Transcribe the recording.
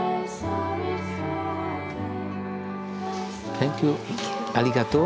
サンキューありがとう。